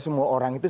semua orang itu